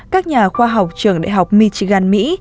các nhà khoa học trường đại học michigan mỹ